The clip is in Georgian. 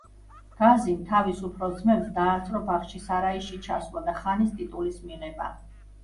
გაზიმ თავის უფროს ძმებს დაასწრო ბახჩისარაიში ჩასვლა და ხანის ტიტულის მიღება.